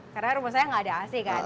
karena rumah saya gak ada ac kan